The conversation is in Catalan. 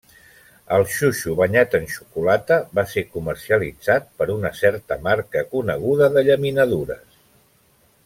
El xuixo banyat en xocolata va ser comercialitzat per una certa marca coneguda de llaminadures.